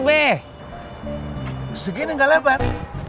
b segini enggak lebar